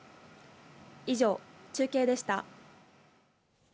以上、中継でした。